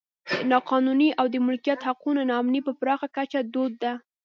نا قانوني او د مالکیت حقونو نا امني په پراخه کچه دود ده.